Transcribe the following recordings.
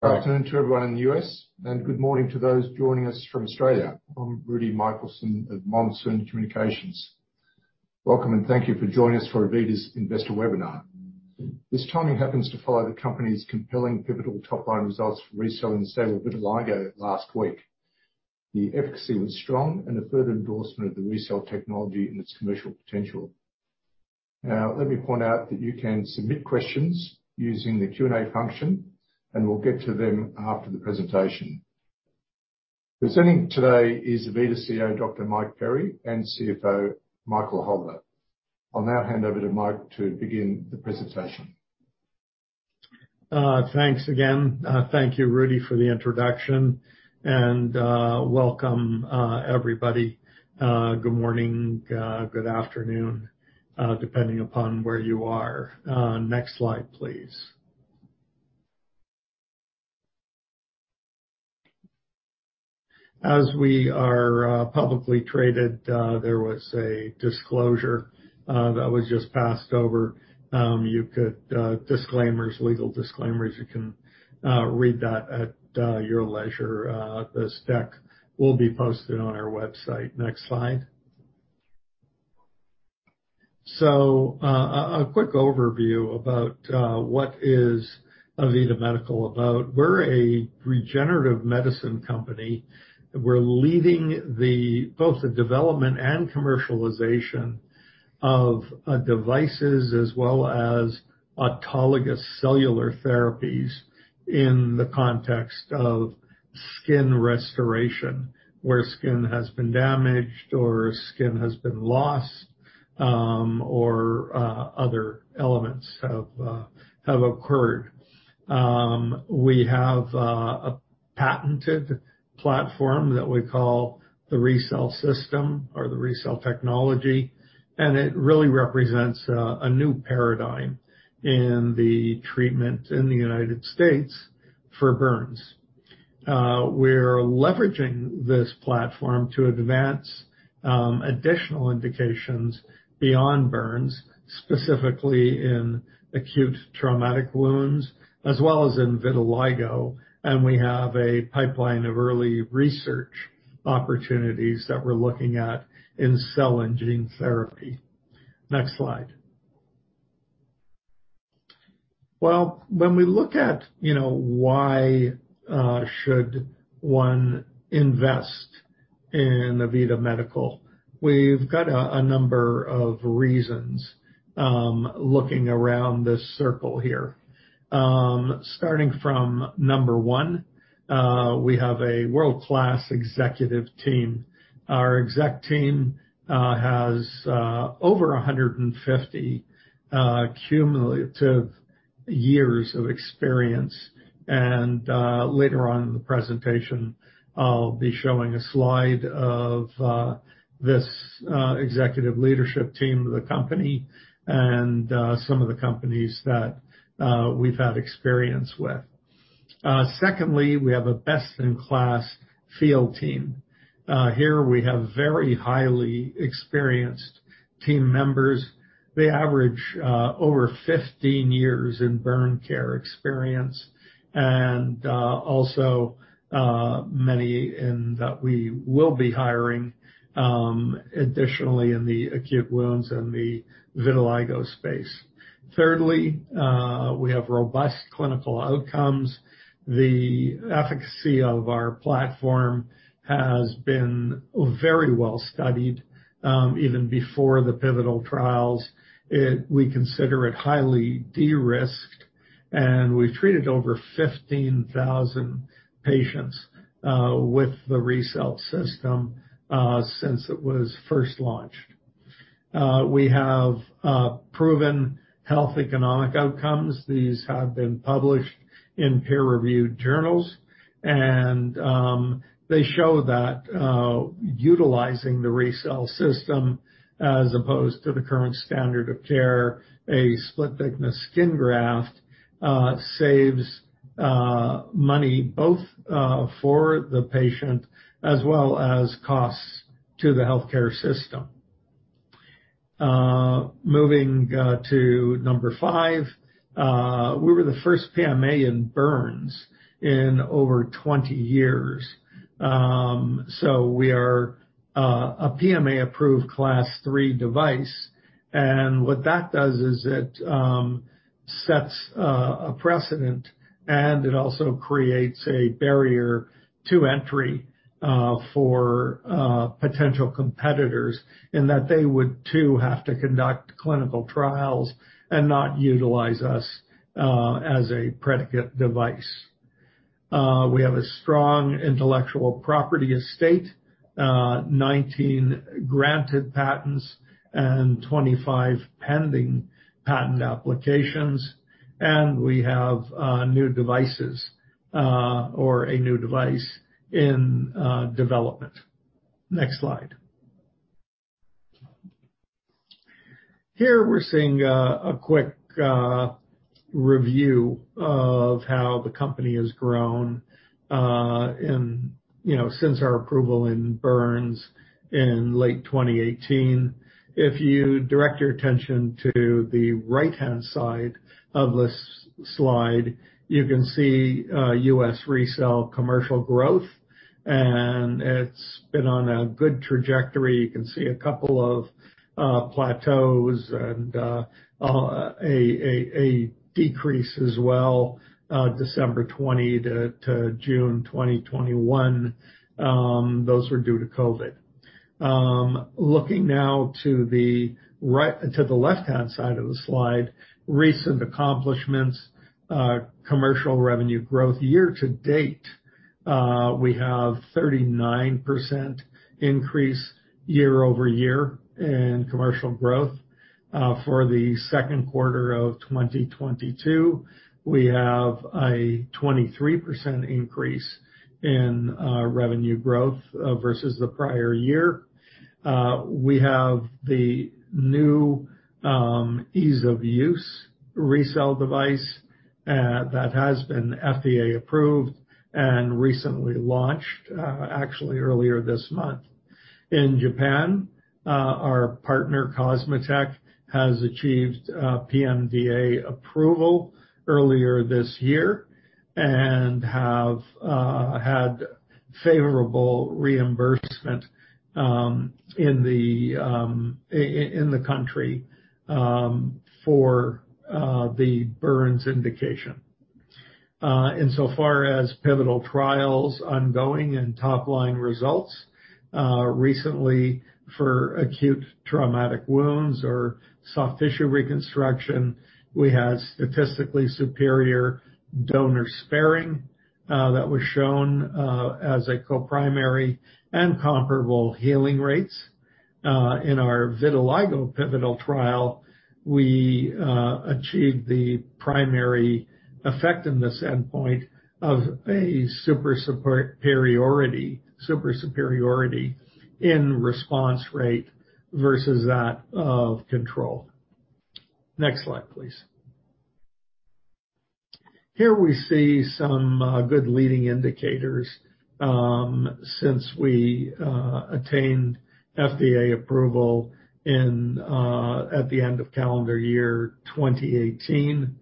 Good afternoon to everyone in the U.S., and good morning to those joining us from Australia. I'm Rudi Michelson of Monsoon Communications. Welcome, and thank you for joining us for AVITA's Investor Webinar. This timing happens to follow the company's compelling pivotal top-line results for RECELL for the treatment of vitiligo last week. The efficacy was strong and a further endorsement of the RECELL technology and its commercial potential. Now, let me point out that you can submit questions using the Q&A function, and we'll get to them after the presentation. Presenting today is AVITA CEO, Dr. Mike Perry, and CFO, Michael Holder. I'll now hand over to Mike to begin the presentation. Thanks again. Thank you, Rudi, for the introduction, and welcome everybody. Good morning, good afternoon, depending upon where you are. Next slide, please. As we are publicly traded, there was a disclosure that was just passed over. Legal disclaimers, you can read that at your leisure. This deck will be posted on our website. Next slide. A quick overview about what is AVITA Medical about. We're a regenerative medicine company. We're leading both the development and commercialization of devices as well as autologous cellular therapies in the context of skin restoration, where skin has been damaged or skin has been lost, or other elements have occurred. We have a patented platform that we call the RECELL System or the RECELL technology, and it really represents a new paradigm in the treatment in the United States for burns. We're leveraging this platform to advance additional indications beyond burns, specifically in acute traumatic wounds as well as in vitiligo, and we have a pipeline of early research opportunities that we're looking at in cell and gene therapy. Next slide. Well, when we look at, you know, why should one invest in AVITA Medical, we've got a number of reasons looking around this circle here. Starting from number 1, we have a world-class executive team. Our exec team has over 150 cumulative years of experience and later on in the presentation, I'll be showing a slide of this executive leadership team of the company and some of the companies that we've had experience with. Secondly, we have a best-in-class field team. Here we have very highly experienced team members. They average over 15 years in burn care experience and also many that we will be hiring additionally in the acute wounds and the vitiligo space. Thirdly, we have robust clinical outcomes. The efficacy of our platform has been very well-studied even before the pivotal trials. We consider it highly de-risked, and we've treated over 15,000 patients with the RECELL System since it was first launched. We have proven health economic outcomes. These have been published in peer-reviewed journals, and they show that utilizing the RECELL System as opposed to the current standard of care, a split-thickness skin graft, saves money both for the patient as well as costs to the healthcare system. Moving to number five, we were the first PMA in burns in over 20 years. We are a PMA-approved Class III device. What that does is it sets a precedent, and it also creates a barrier to entry for potential competitors in that they would too have to conduct clinical trials and not utilize us as a predicate device. We have a strong intellectual property estate, 19 granted patents and 25 pending patent applications. We have new devices or a new device in development. Next slide. Here we're seeing a quick review of how the company has grown, you know, since our approval in burns in late 2018. If you direct your attention to the right-hand side of this slide, you can see U.S. RECELL commercial growth, and it's been on a good trajectory. You can see a couple of plateaus and a decrease as well, December 2020 to June 2021. Those were due to COVID. Looking now to the left-hand side of the slide, recent accomplishments, commercial revenue growth. Year to date, we have 39% increase YoY in commercial growth. For the second quarter of 2022, we have a 23% increase in revenue growth versus the prior year. We have the new ease of use RECELL device that has been FDA approved and recently launched, actually earlier this month. In Japan, our partner COSMOTEC has achieved PMDA approval earlier this year and have had favorable reimbursement in the country for the burns indication. Insofar as pivotal trials ongoing and top-line results recently for acute traumatic wounds or soft tissue reconstruction, we had statistically superior donor sparing that was shown as a co-primary and comparable healing rates. In our vitiligo pivotal trial, we achieved the primary effectiveness endpoint of a superiority in response rate versus that of control. Next slide, please. Here we see some good leading indicators since we attained FDA approval at the end of calendar year 2018.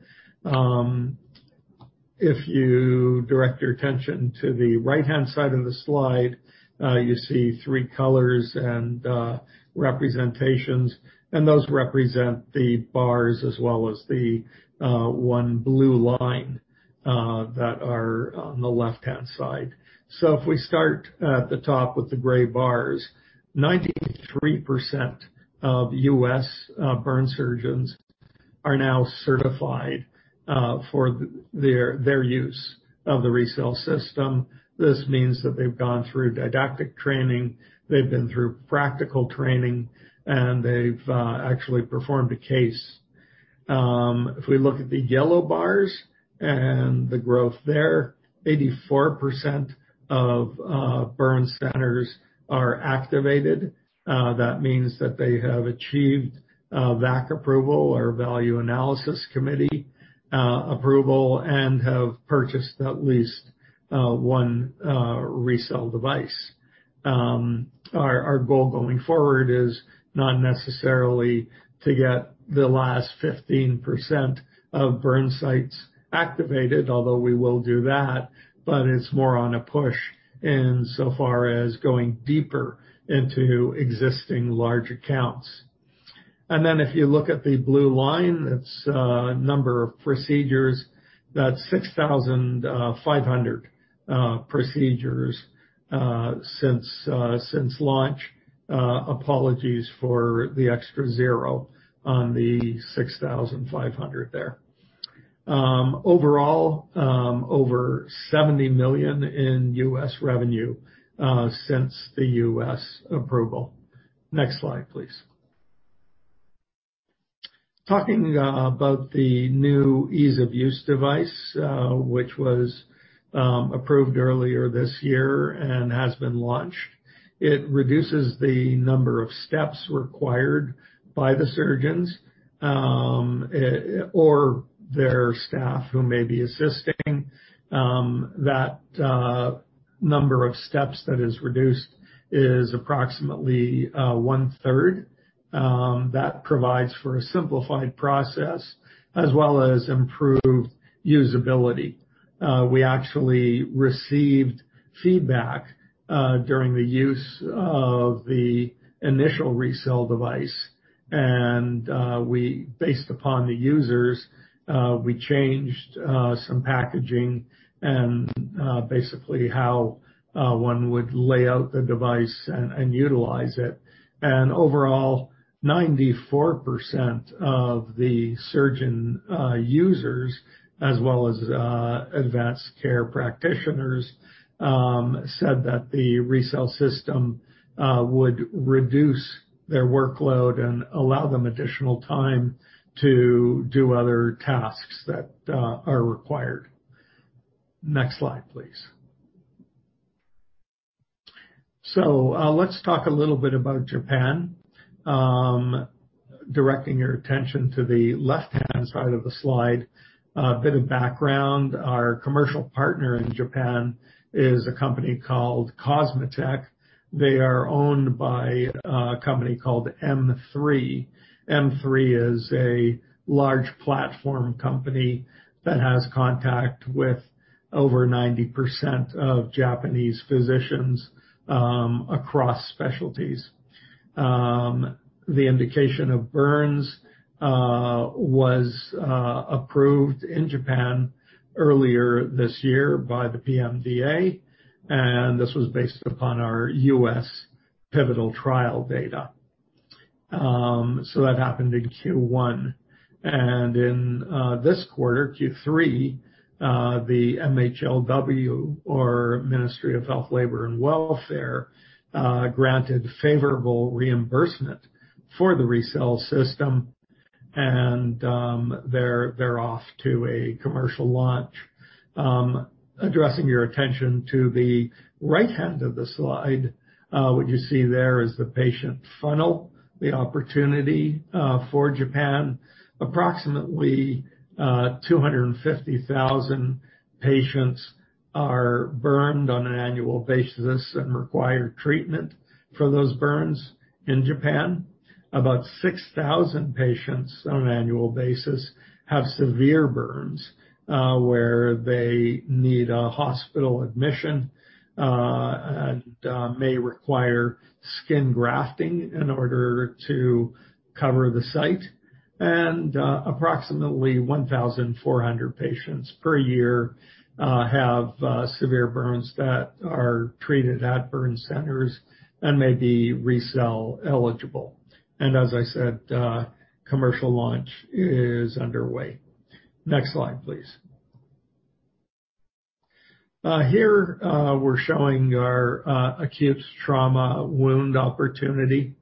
If you direct your attention to the right-hand side of the slide, you see three colors and representations, and those represent the bars as well as the one blue line that are on the left-hand side. If we start at the top with the gray bars, 93% of U.S. burn surgeons are now certified for their use of the RECELL System. This means that they've gone through didactic training, they've been through practical training, and they've actually performed a case. If we look at the yellow bars and the growth there, 84% of burn centers are activated. That means that they have achieved VAC approval or Value Analysis Committee approval and have purchased at least one RECELL device. Our goal going forward is not necessarily to get the last 15% of burn sites activated, although we will do that, but it's more on a push insofar as going deeper into existing large accounts. Then if you look at the blue line, it's number of procedures. That's 6,500 procedures since launch. Apologies for the extra zero on the 6,500 there. Overall, over $70 million in U.S. revenue since the U.S. approval. Next slide, please. Talking about the new ease-of-use device, which was approved earlier this year and has been launched. It reduces the number of steps required by the surgeons, or their staff who may be assisting. That number of steps that is reduced is approximately 1/3. That provides for a simplified process as well as improved usability. We actually received feedback during the use of the initial RECELL device and we based upon the users, we changed some packaging and basically how one would lay out the device and utilize it. Overall, 94% of the surgeon users as well as advanced care practitioners said that the RECELL System would reduce their workload and allow them additional time to do other tasks that are required. Next slide, please. Let's talk a little bit about Japan. Directing your attention to the left-hand side of the slide. A bit of background, our commercial partner in Japan is a company called COSMOTEC. They are owned by a company called M3. M3 is a large platform company that has contact with over 90% of Japanese physicians across specialties. The indication of burns was approved in Japan earlier this year by the PMDA, and this was based upon our U.S. pivotal trial data. So that happened in Q1. In this quarter, Q3, the MHLW, or Ministry of Health, Labor and Welfare, granted favorable reimbursement for the RECELL System, and they're off to a commercial launch. Addressing your attention to the right hand of the slide, what you see there is the patient funnel, the opportunity, for Japan. Approximately, 250,000 patients are burned on an annual basis and require treatment for those burns in Japan. About 6,000 patients on an annual basis have severe burns, where they need a hospital admission, and may require skin grafting in order to cover the site. Approximately 1,400 patients per year have severe burns that are treated at burn centers and may be RECELL eligible. As I said, commercial launch is underway. Next slide, please. Here, we're showing our acute trauma wound opportunity.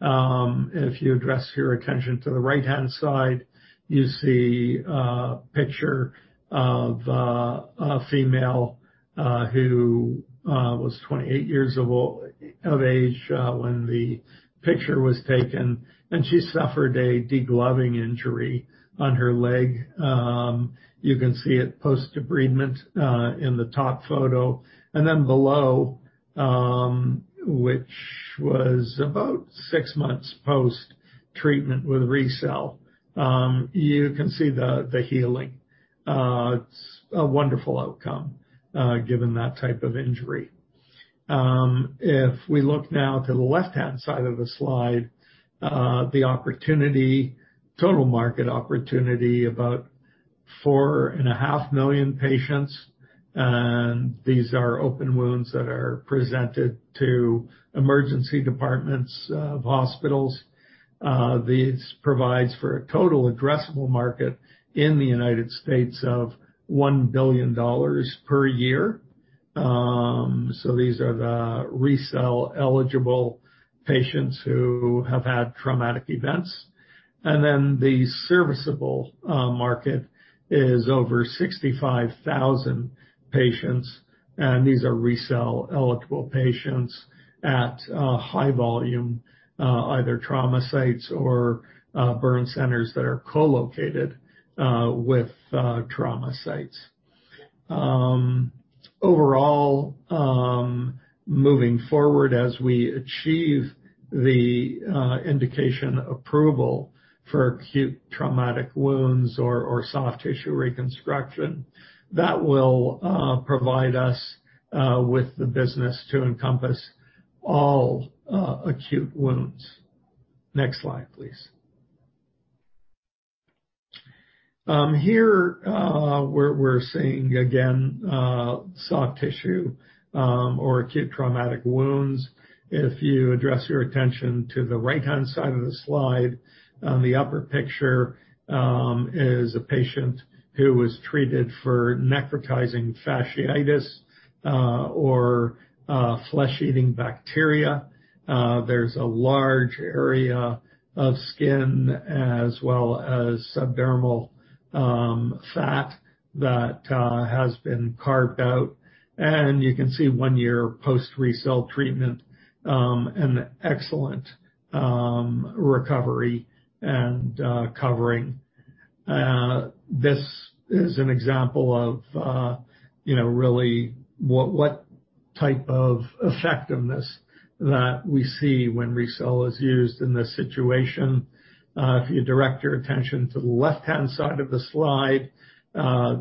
If you address your attention to the right-hand side, you see a picture of a female who was 28 years of age when the picture was taken, and she suffered a degloving injury on her leg. You can see it post-debridement in the top photo. Below, which was about 6 months post-treatment with RECELL, you can see the healing. It's a wonderful outcome given that type of injury. If we look now to the left-hand side of the slide, the opportunity, total market opportunity, about 4.5 million patients. These are open wounds that are presented to emergency departments of hospitals. This provides for a total addressable market in the United States of $1 billion per year. These are the RECELL-eligible patients who have had traumatic events. The serviceable market is over 65,000 patients, and these are RECELL-eligible patients at high volume either trauma sites or burn centers that are co-located with trauma sites. Overall, moving forward as we achieve the indication approval for acute traumatic wounds or soft tissue reconstruction, that will provide us with the business to encompass all acute wounds. Next slide, please. Here, we're seeing again soft tissue or acute traumatic wounds. If you address your attention to the right-hand side of the slide, on the upper picture, is a patient who was treated for necrotizing fasciitis or flesh-eating bacteria. There's a large area of skin as well as subdermal fat that has been carved out. You can see one year post RECELL treatment an excellent recovery and covering. This is an example of you know really what type of effectiveness that we see when RECELL is used in this situation. If you direct your attention to the left-hand side of the slide,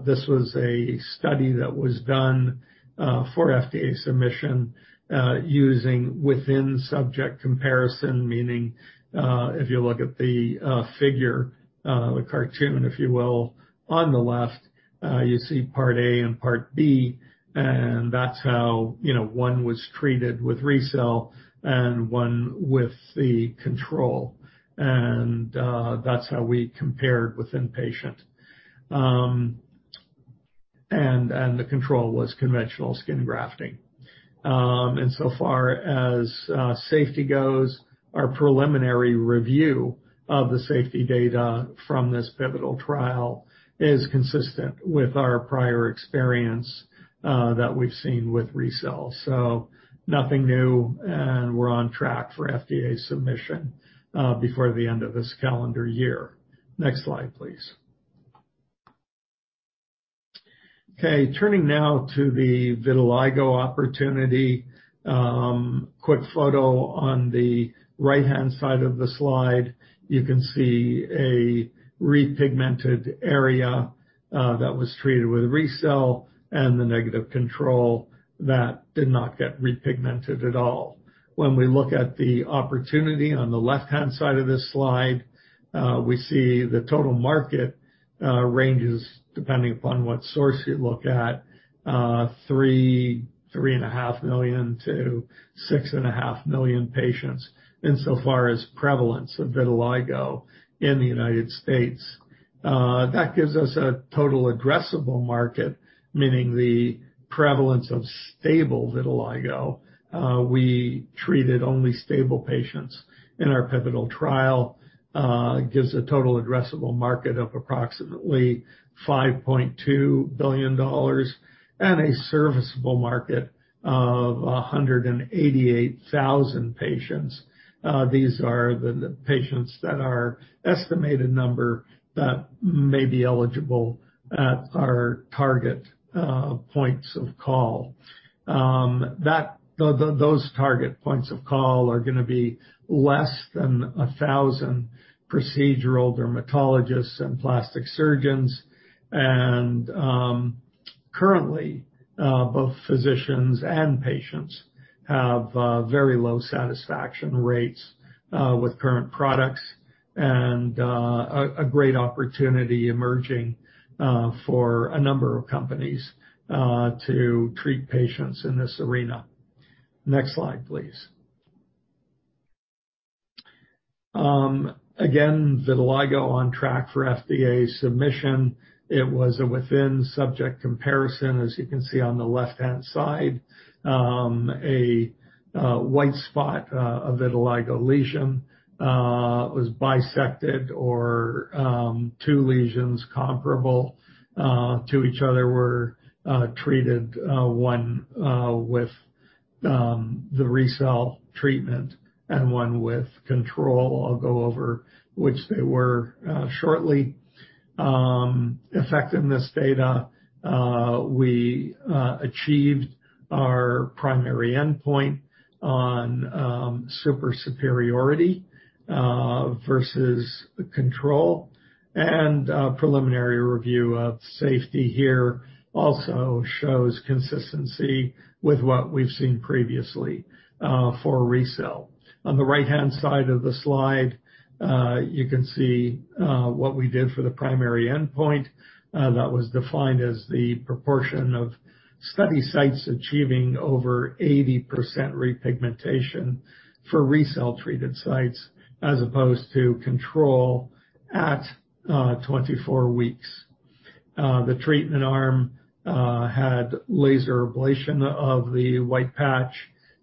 this was a study that was done for FDA submission using within-subject comparison, meaning if you look at the figure, the cartoon if you will, on the left, you see part A and part B, and that's how, you know, one was treated with RECELL and one with the control. That's how we compared within patient. The control was conventional skin grafting. So far as safety goes, our preliminary review of the safety data from this pivotal trial is consistent with our prior experience that we've seen with RECELL. Nothing new, and we're on track for FDA submission before the end of this calendar year. Next slide, please. Okay, turning now to the vitiligo opportunity. Quick photo on the right-hand side of the slide. You can see a repigmented area that was treated with RECELL, and the negative control that did not get repigmented at all. When we look at the opportunity on the left-hand side of this slide, we see the total market ranges depending upon what source you look at, 3-3.5 million to 6.5 million patients insofar as prevalence of vitiligo in the United States. That gives us a total addressable market, meaning the prevalence of stable vitiligo. We treated only stable patients in our pivotal trial. Gives a total addressable market of approximately $5.2 billion and a serviceable market of 188,000 patients. These are the patients that are estimated number that may be eligible at our target points of call. Those target points of call are gonna be less than 1,000 procedural dermatologists and plastic surgeons. Currently, both physicians and patients have very low satisfaction rates with current products and a great opportunity emerging for a number of companies to treat patients in this arena. Next slide, please. Again, vitiligo on track for FDA submission. It was a within-subject comparison, as you can see on the left-hand side. A white spot of vitiligo lesion was bisected, or two lesions comparable to each other were treated, one with the RECELL treatment and one with control. I'll go over which they were shortly. In this data, we achieved our primary endpoint on statistical superiority versus control. A preliminary review of safety here also shows consistency with what we've seen previously for RECELL. On the right-hand side of the slide, you can see what we did for the primary endpoint, that was defined as the proportion of study sites achieving over 80% repigmentation for RECELL-treated sites as opposed to control at 24 weeks. The treatment arm had laser ablation of the white patch,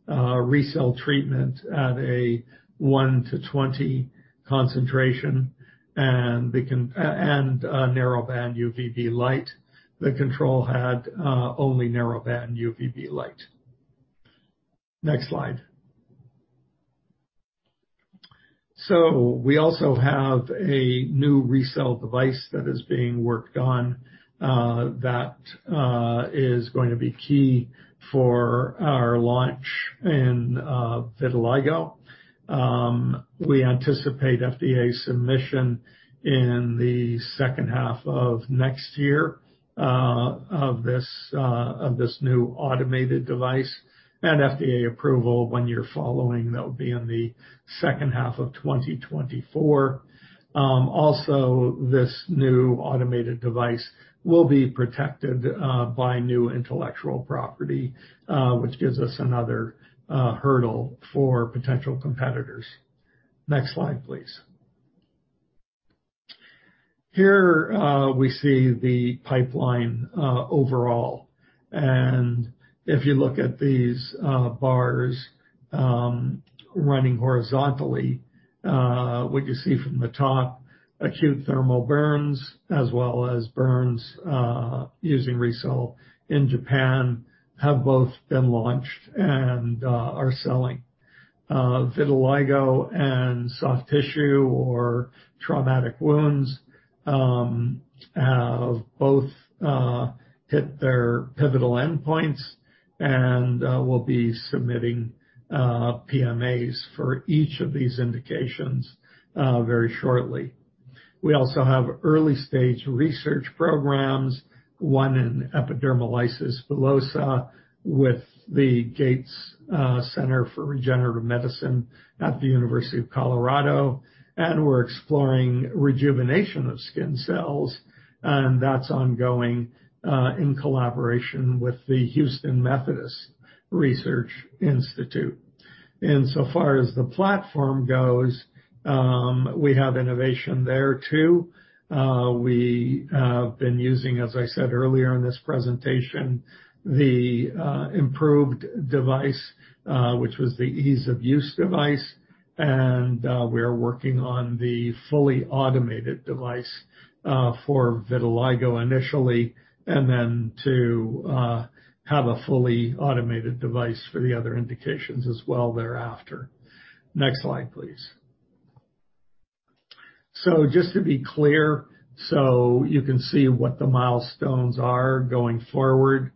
RECELL treatment at a 1:20 concentration and a narrowband UVB light. The control had only narrowband UVB light. Next slide. We also have a new RECELL device that is being worked on, that is going to be key for our launch in vitiligo. We anticipate FDA submission in the second half of next year, of this new automated device, and FDA approval one year following. That'll be in the second half of 2024. Also, this new automated device will be protected by new intellectual property, which gives us another hurdle for potential competitors. Next slide, please. Here, we see the pipeline overall, and if you look at these bars running horizontally, what you see from the top, acute thermal burns as well as burns using RECELL in Japan, have both been launched and are selling. Vitiligo and soft tissue or traumatic wounds have both hit their pivotal endpoints, and we'll be submitting PMAs for each of these indications very shortly. We also have early-stage research programs, one in epidermolysis bullosa with the Gates Center for Regenerative Medicine at the University of Colorado, and we're exploring rejuvenation of skin cells, and that's ongoing in collaboration with the Houston Methodist Research Institute. Insofar as the platform goes, we have innovation there too. We have been using, as I said earlier in this presentation, the improved device, which was the ease-of-use device. We're working on the fully automated device for vitiligo initially, and then to have a fully automated device for the other indications as well thereafter. Next slide, please. Just to be clear, so you can see what the milestones are going forward.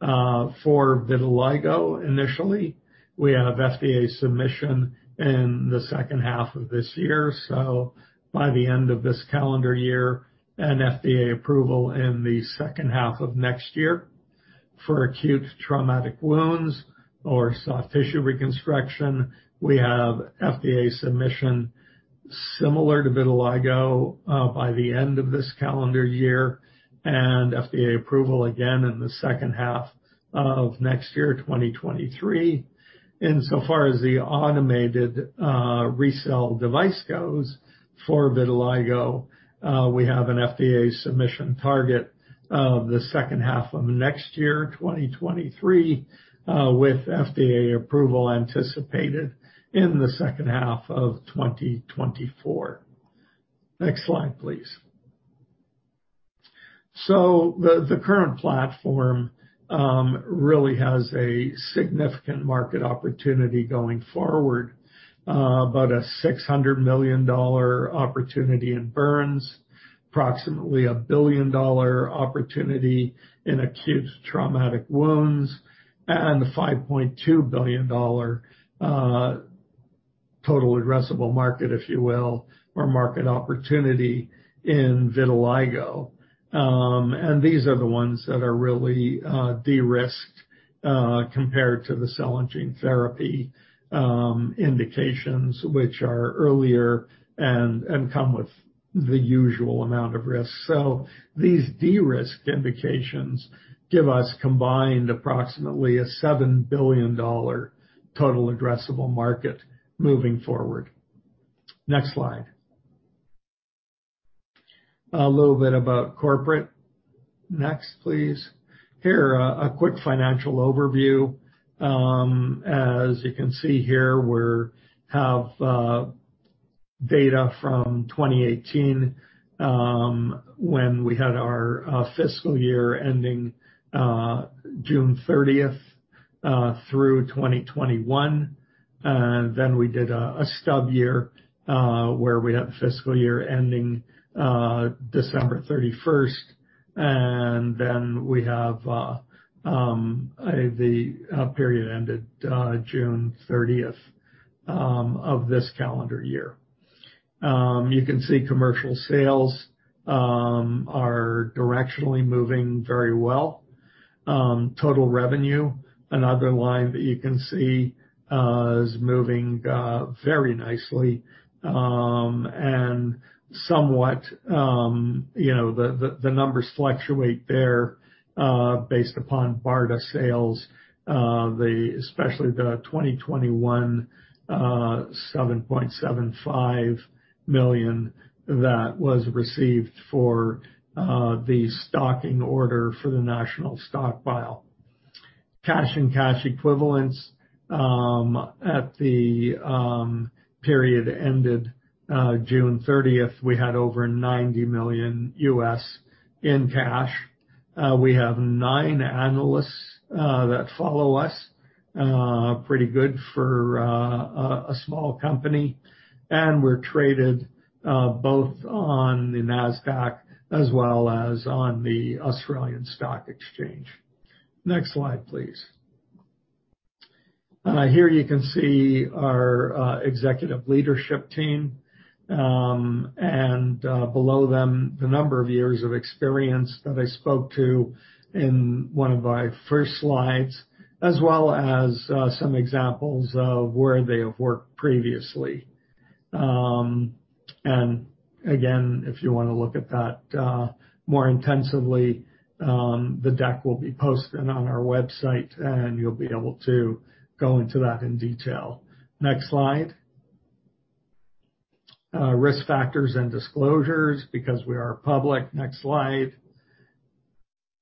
For vitiligo, initially, we have FDA submission in the second half of this year, so by the end of this calendar year, and FDA approval in the second half of next year. For acute traumatic wounds or soft tissue reconstruction, we have FDA submission similar to vitiligo, by the end of this calendar year, and FDA approval again in the second half of next year, 2023. Insofar as the automated RECELL device goes for vitiligo, we have an FDA submission target of the second half of next year, 2023, with FDA approval anticipated in the second half of 2024. Next slide, please. The current platform really has a significant market opportunity going forward, about a $600 million opportunity in burns, approximately a $1 billion opportunity in acute traumatic wounds, and a $5.2 billion total addressable market, if you will, or market opportunity in vitiligo. These are the ones that are really de-risked compared to the cell and gene therapy indications, which are earlier and come with the usual amount of risk. These de-risked indications give us combined approximately a $7 billion total addressable market moving forward. Next slide. A little bit about corporate. Next, please. Here, a quick financial overview. As you can see here, we have data from 2018, when we had our fiscal year ending June 30th through 2021. We did a stub year where we had the fiscal year ending December 31st, and we have the period ended June 30th of this calendar year. You can see commercial sales are directionally moving very well. Total revenue, another line that you can see, is moving very nicely, and somewhat, you know, the numbers fluctuate there based upon BARDA sales, especially the 2021 $7.75 million that was received for the stocking order for the national stockpile. Cash and cash equivalents at the period ended June 30th, we had over $90 million in cash. We have nine analysts that follow us. Pretty good for a small company. We're traded both on the Nasdaq as well as on the Australian Securities Exchange. Next slide, please. Here you can see our executive leadership team, and below them, the number of years of experience that I spoke to in one of my first slides, as well as some examples of where they have worked previously. Again, if you wanna look at that more intensively, the deck will be posted on our website, and you'll be able to go into that in detail. Next slide. Risk factors and disclosures because we are public. Next slide.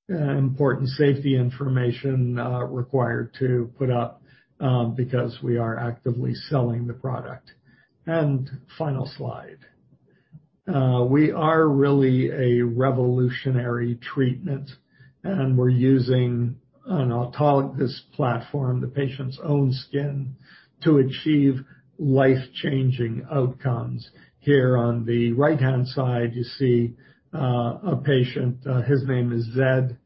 Important safety information required to put up because we are actively selling the product. Final slide. We are really a revolutionary treatment, and we're using an autologous platform, the patient's own skin, to achieve life-changing outcomes. Here on the right-hand side, you see a patient. His name is Zed.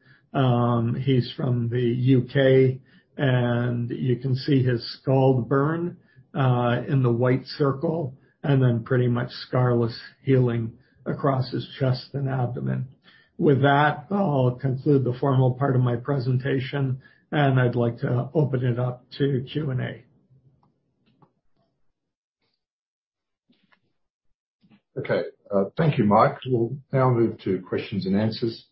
He's from the U.K., and you can see his scald burn in the white circle, and then pretty much scarless healing across his chest and abdomen. With that, I'll conclude the formal part of my presentation, and I'd like to open it up to Q&A. Okay. Thank you, Mike. We'll now move to questions and answers.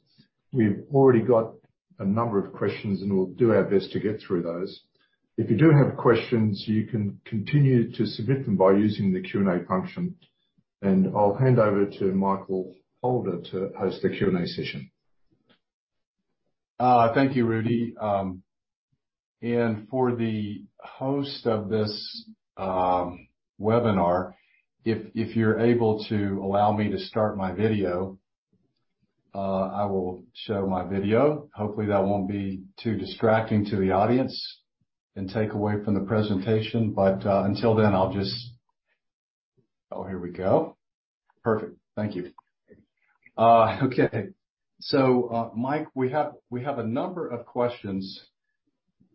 We've already got a number of questions, and we'll do our best to get through those. If you do have questions, you can continue to submit them by using the Q&A function. I'll hand over to Michael Holder to host the Q&A session. Thank you, Rudi. And for the host of this webinar, if you're able to allow me to start my video, I will show my video. Hopefully that won't be too distracting to the audience and take away from the presentation. But until then, I'll just. Oh, here we go. Perfect. Thank you. Okay. Mike, we have a number of questions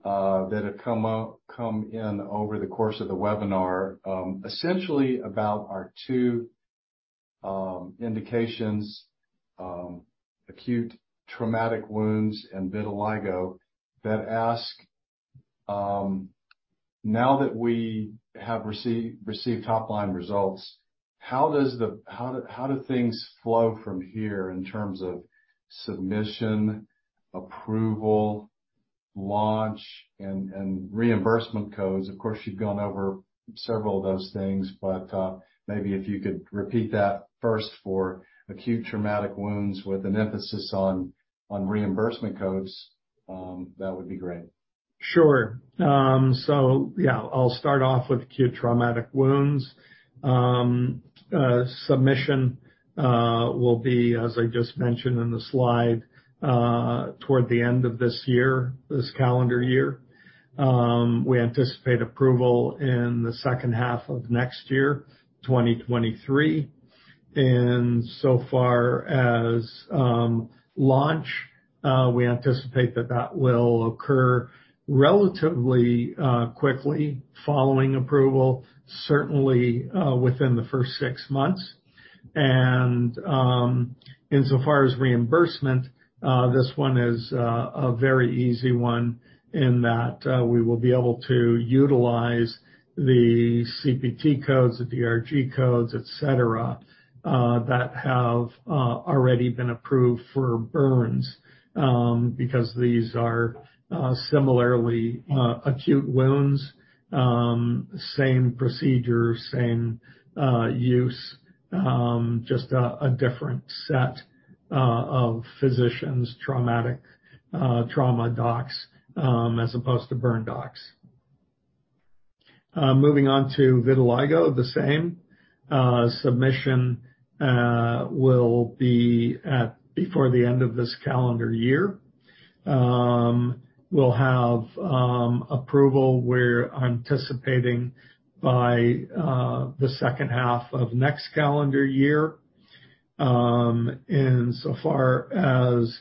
that have come in over the course of the webinar, essentially about our two indications, acute traumatic wounds and vitiligo that ask, now that we have received top-line results, how do things flow from here in terms of submission, approval, launch, and reimbursement codes? Of course, you've gone over several of those things, but maybe if you could repeat that first for acute traumatic wounds with an emphasis on reimbursement codes, that would be great. Sure. Yeah, I'll start off with acute traumatic wounds. Submission will be, as I just mentioned in the slide, toward the end of this year, this calendar year. We anticipate approval in the second half of next year, 2023. So far as launch, we anticipate that will occur relatively quickly following approval, certainly within the first 6 months. Insofar as reimbursement, this one is a very easy one in that we will be able to utilize the CPT codes, the DRG codes, etc., that have already been approved for burns because these are similarly acute wounds. Same procedure, same use, just a different set of physicians, trauma docs, as opposed to burn docs. Moving on to vitiligo, the same. Submission will be before the end of this calendar year. We'll have approval we're anticipating by the second half of next calendar year. Insofar as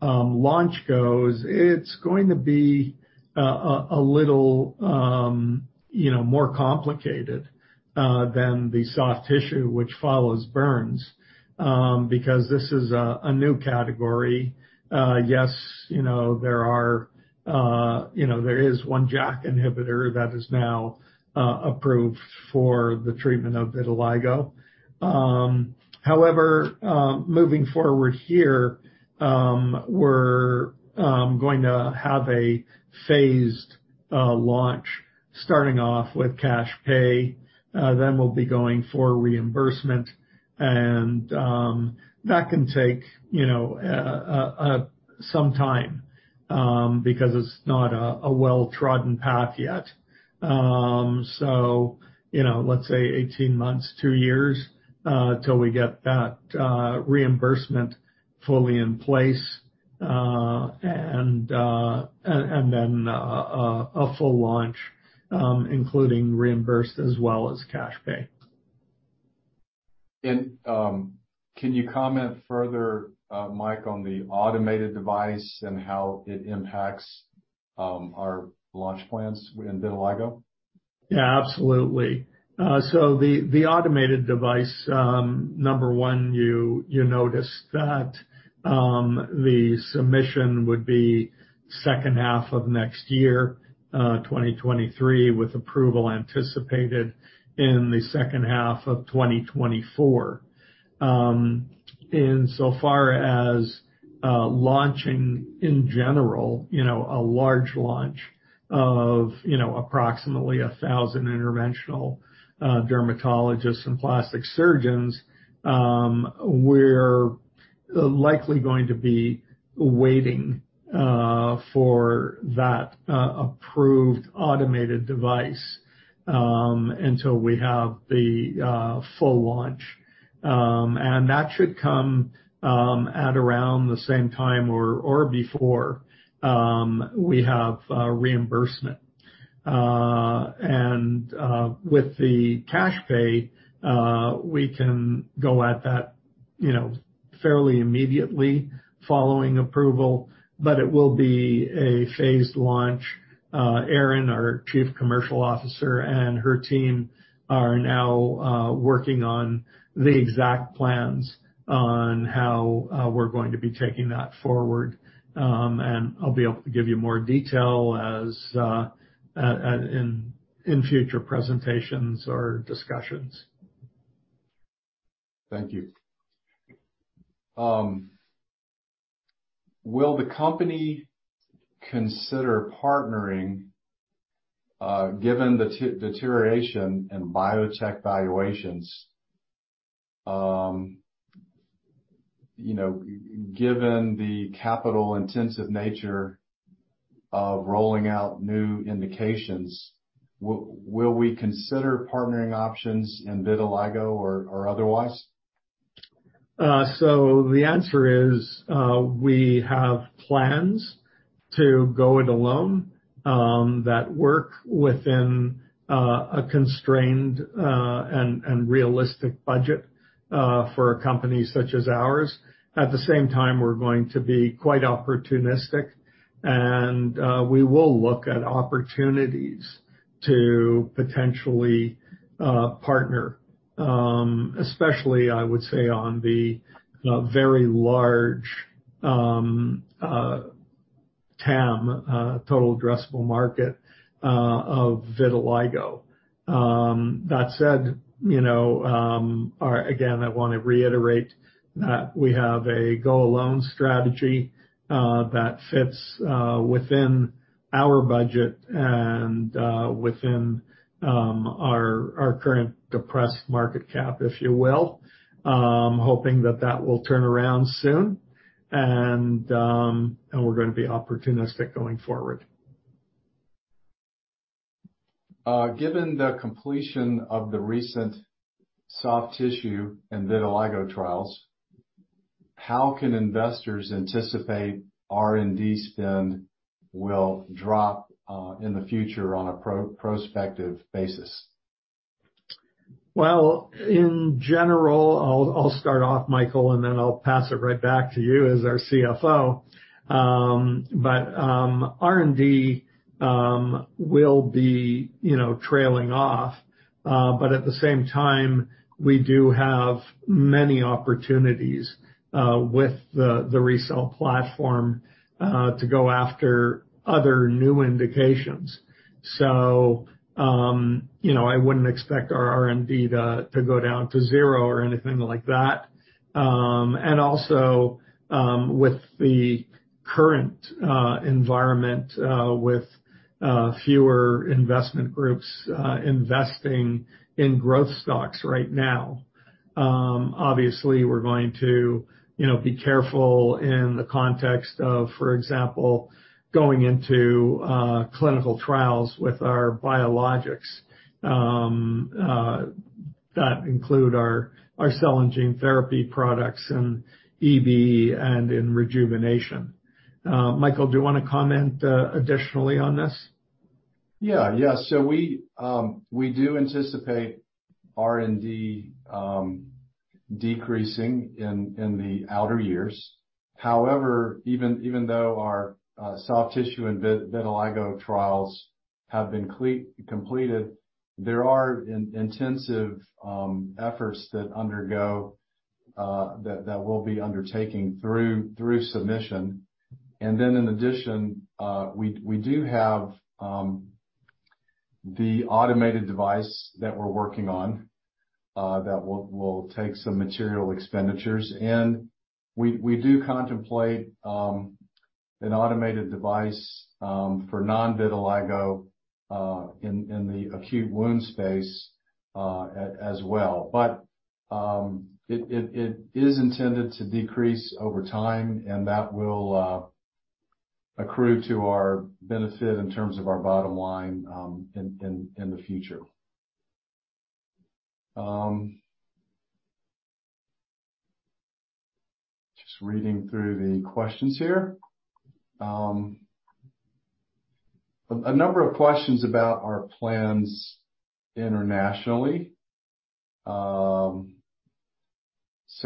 launch goes, it's going to be a little, you know, more complicated than the soft tissue which follows burns, because this is a new category. Yes, you know, there is one JAK inhibitor that is now approved for the treatment of vitiligo. However, moving forward here, we're going to have a phased launch starting off with cash pay. Then we'll be going for reimbursement and that can take, you know, some time, because it's not a well-trodden path yet. You know, let's say 18 months, 2 years till we get that reimbursement fully in place. Then a full launch including reimbursed as well as cash pay. Can you comment further, Mike, on the automated device and how it impacts our launch plans in vitiligo? Yeah, absolutely. The automated device, number one, you noticed that the submission would be second half of next year, 2023, with approval anticipated in the second half of 2024. Insofar as launching in general, you know, a large launch of, you know, approximately 1,000 interventional dermatologists and plastic surgeons, we're likely going to be waiting for that approved automated device until we have the full launch. That should come at around the same time or before we have reimbursement. With the cash pay, we can go at that, you know, fairly immediately following approval, but it will be a phased launch. Erin, our Chief Commercial Officer, and her team are now working on the exact plans on how we're going to be taking that forward. I'll be able to give you more detail as in future presentations or discussions. Thank you. Will the company consider partnering, given the deterioration in biotech valuations? You know, given the capital intensive nature of rolling out new indications, will we consider partnering options in vitiligo or otherwise? The answer is, we have plans to go it alone that work within a constrained and realistic budget for a company such as ours. At the same time, we're going to be quite opportunistic and we will look at opportunities to potentially partner, especially, I would say, on the very large TAM, total addressable market, of vitiligo. That said, you know, again, I wanna reiterate that we have a go alone strategy that fits within our budget and within our current depressed market cap, if you will. I'm hoping that that will turn around soon, and we're gonna be opportunistic going forward. Given the completion of the recent soft tissue and vitiligo trials, how can investors anticipate R&D spend will drop in the future on a prospective basis? Well, in general, I'll start off Michael, and then I'll pass it right back to you as our CFO. R&D will be, you know, trailing off. At the same time, we do have many opportunities with the RECELL platform to go after other new indications. You know, I wouldn't expect our R&D to go down to zero or anything like that. Also, with the current environment with fewer investment groups investing in growth stocks right now, obviously we're going to, you know, be careful in the context of, for example, going into clinical trials with our biologics that include our cell and gene therapy products in EB and in regeneration. Michael, do you wanna comment additionally on this? We do anticipate R&D decreasing in the outer years. However, even though our soft tissue and vitiligo trials have been completed, there are intensive ongoing efforts that we'll be undertaking through submission. In addition, we do have the automated device that we're working on that will take some material expenditures. We do contemplate an automated device for non-vitiligo in the acute wound space as well. It is intended to decrease over time, and that will accrue to our benefit in terms of our bottom line in the future. Just reading through the questions here. A number of questions about our plans internationally.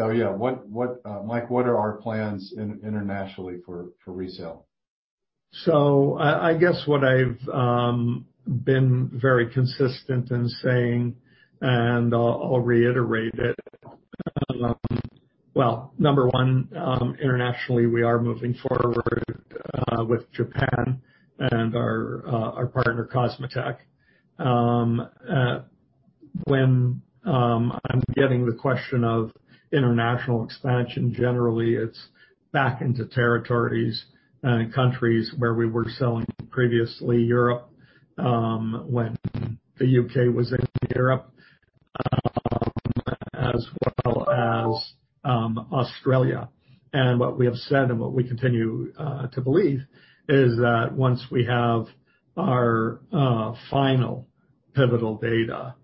Yeah, Mike, what are our plans internationally for RECELL? I guess what I've been very consistent in saying, and I'll reiterate it. Well, number one, internationally, we are moving forward with Japan and our partner COSMOTEC. When I'm getting the question of international expansion, generally, it's back into territories and countries where we were selling previously, Europe, when the UK was in Europe, as well as Australia. What we have said and what we continue to believe is that once we have our final pivotal data,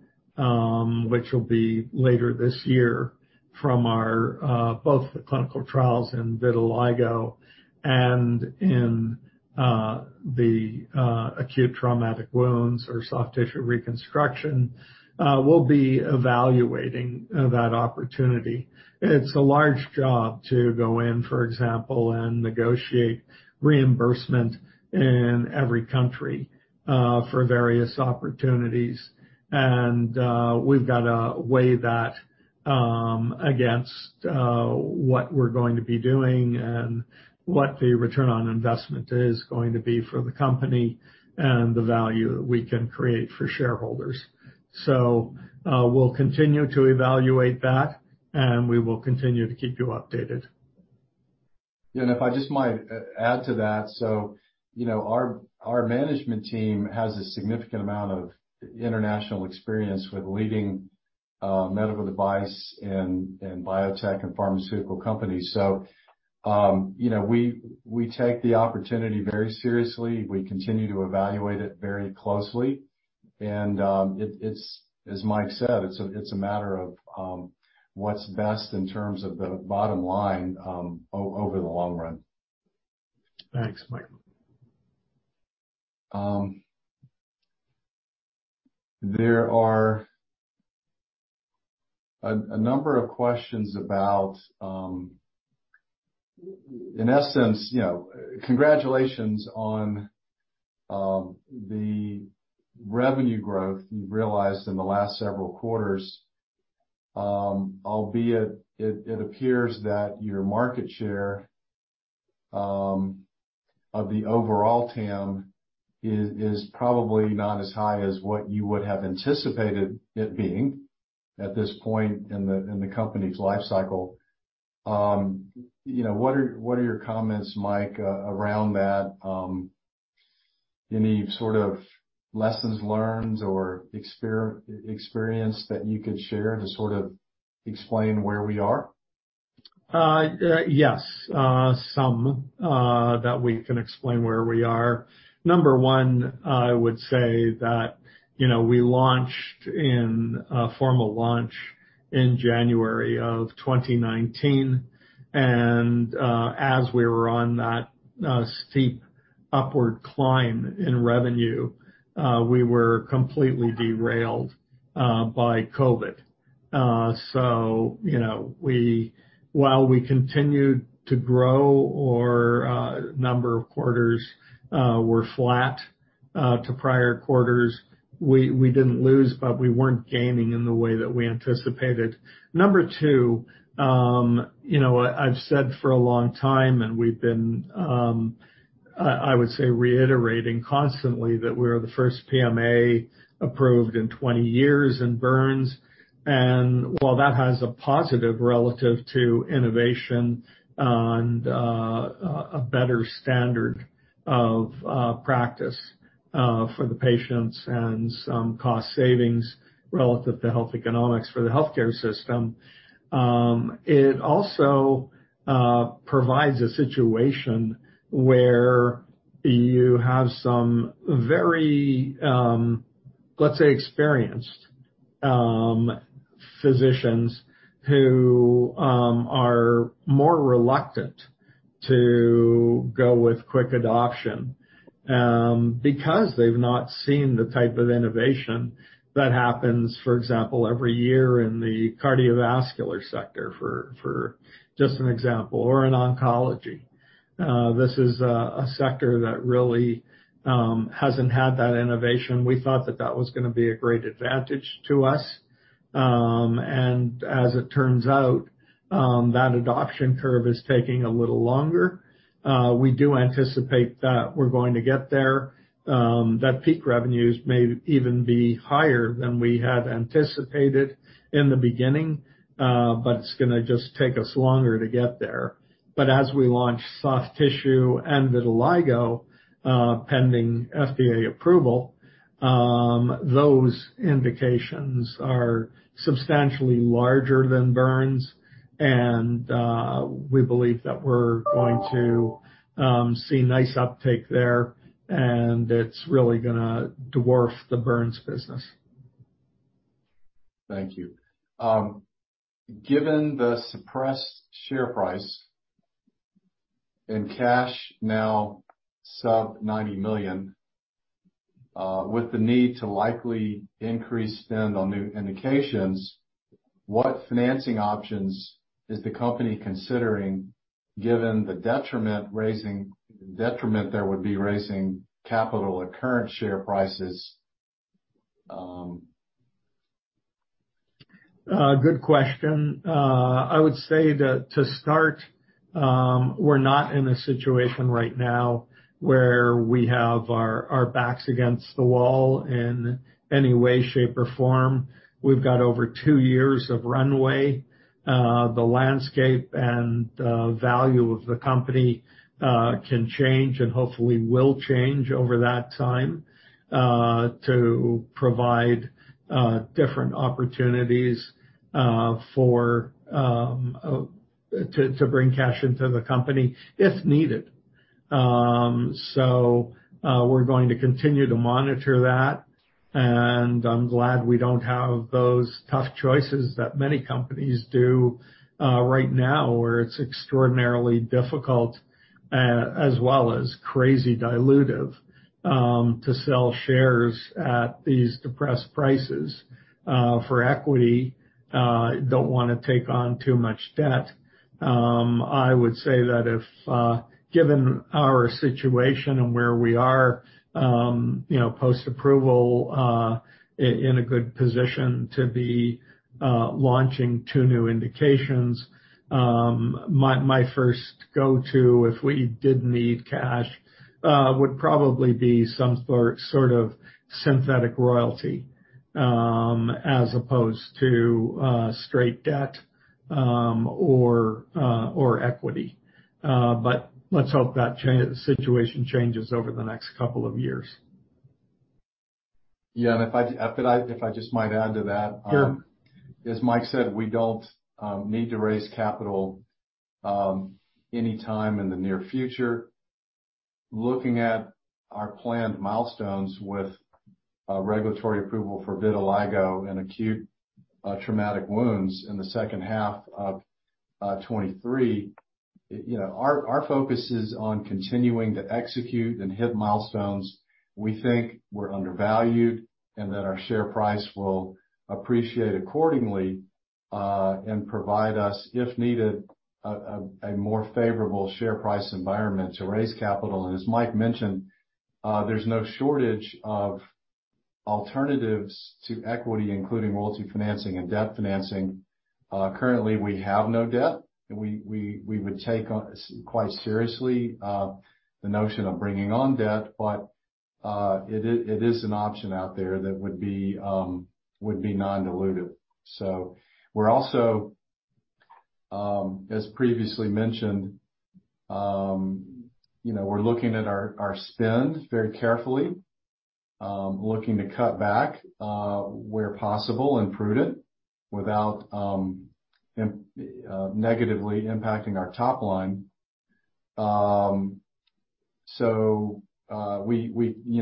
which will be later this year from both the clinical trials in vitiligo and in the acute traumatic wounds or soft tissue reconstruction, we'll be evaluating that opportunity. It's a large job to go in, for example, and negotiate reimbursement in every country for various opportunities. We've got to weigh that against what we're going to be doing and what the return on investment is going to be for the company and the value that we can create for shareholders. We'll continue to evaluate that, and we will continue to keep you updated. You know, if I just might add to that. You know, our management team has a significant amount of international experience with leading medical device and biotech and pharmaceutical companies. You know, we take the opportunity very seriously. We continue to evaluate it very closely, and it's as Mike said, it's a matter of what's best in terms of the bottom line over the long run. Thanks, Mike. There are a number of questions about, in essence, you know, congratulations on the revenue growth you've realized in the last several quarters. Albeit, it appears that your market share of the overall TAM is probably not as high as what you would have anticipated it being at this point in the company's life cycle. You know, what are your comments, Mike, around that? Any sort of lessons learned or experience that you could share to sort of explain where we are? Yes, some that we can explain where we are. Number one, I would say that, you know, we launched in a formal launch in January 2019. As we were on that steep upward climb in revenue, we were completely derailed by COVID. You know, while we continued to grow, over a number of quarters were flat to prior quarters, we didn't lose, but we weren't gaining in the way that we anticipated. Number two, you know, I've said for a long time, we've been, I would say reiterating constantly that we're the first PMA approved in 20 years in burns. While that has a positive relative to innovation and a better standard of practice for the patients and some cost savings relative to health economics for the healthcare system, it also provides a situation where you have some very, let's say, experienced physicians who are more reluctant to go with quick adoption because they've not seen the type of innovation that happens, for example, every year in the cardiovascular sector for just an example or in oncology. This is a sector that really hasn't had that innovation. We thought that was gonna be a great advantage to us. As it turns out, that adoption curve is taking a little longer. We do anticipate that we're going to get there, that peak revenues may even be higher than we had anticipated in the beginning, but it's gonna just take us longer to get there. As we launch soft tissue and vitiligo, pending FDA approval, those indications are substantially larger than burns. We believe that we're going to see nice uptake there, and it's really gonna dwarf the burns business. Thank you. Given the suppressed share price and cash now sub $90 million, with the need to likely increase spend on new indications, what financing options is the company considering, the detriment there would be raising capital at current share prices? Good question. I would say that to start, we're not in a situation right now where we have our backs against the wall in any way, shape, or form. We've got over two years of runway. The landscape and value of the company can change and hopefully will change over that time to provide different opportunities to bring cash into the company if needed. We're going to continue to monitor that, and I'm glad we don't have those tough choices that many companies do right now, where it's extraordinarily difficult as well as crazy dilutive to sell shares at these depressed prices for equity. Don't wanna take on too much debt. I would say that if given our situation and where we are, you know, post-approval, in a good position to be launching two new indications, my first go-to, if we did need cash, would probably be some sort of synthetic royalty. As opposed to straight debt or equity. Let's hope that situation changes over the next couple of years. Yeah. If I just might add to that. Sure. As Mike said, we don't need to raise capital anytime in the near future. Looking at our planned milestones with regulatory approval for vitiligo and acute traumatic wounds in the second half of 2023, you know, our focus is on continuing to execute and hit milestones. We think we're undervalued and that our share price will appreciate accordingly and provide us, if needed, a more favorable share price environment to raise capital. As Mike mentioned, there's no shortage of alternatives to equity, including royalty financing and debt financing. Currently, we have no debt, and we would take on quite seriously the notion of bringing on debt, but it is an option out there that would be non-dilutive. We're also, as previously mentioned, you know, we're looking at our spend very carefully, looking to cut back, where possible and prudent without negatively impacting our top line. You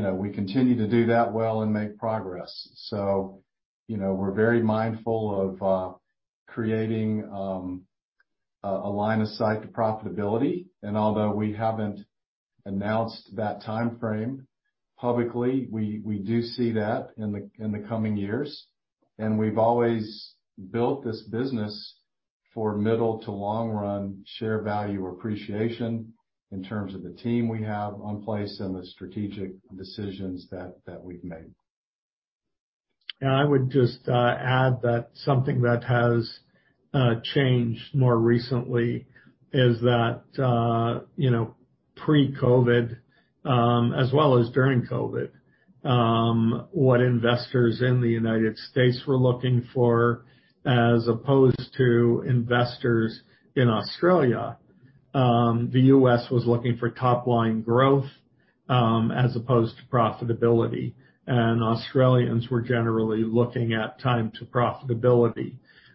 know, we continue to do that well and make progress. You know, we're very mindful of creating a line of sight to profitability. Although we haven't announced that timeframe publicly, we do see that in the coming years. We've always built this business for middle to long run share value appreciation in terms of the team we have in place and the strategic decisions that we've made. I would just add that something that has changed more recently is that, you know, pre-COVID, as well as during COVID, what investors in the United States were looking for as opposed to investors in Australia, the U.S. was looking for top line growth, as opposed to profitability, and Australians were generally looking at time to profitability.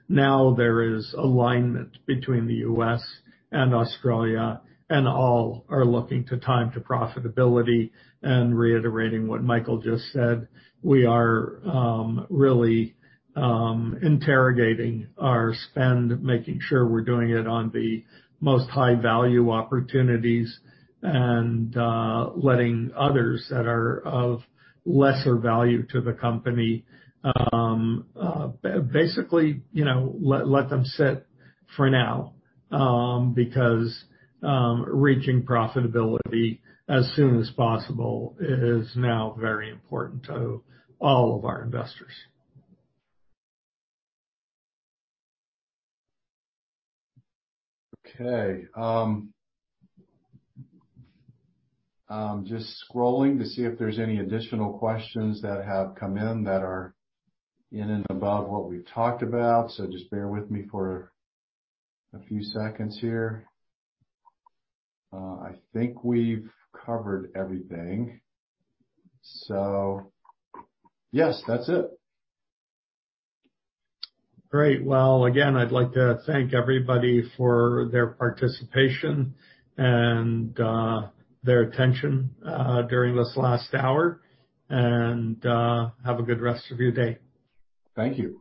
Now, there is alignment between the U.S. and Australia, and all are looking to time to profitability. Reiterating what Michael just said, we are really interrogating our spend, making sure we're doing it on the most high value opportunities and, letting others that are of lesser value to the company, basically, you know, let them sit for now, because reaching profitability as soon as possible is now very important to all of our investors. Okay. I'm just scrolling to see if there's any additional questions that have come in that are in and about what we've talked about. Just bear with me for a few seconds here. I think we've covered everything. Yes, that's it. Great. Well, again, I'd like to thank everybody for their participation and their attention during this last hour. Have a good rest of your day. Thank you.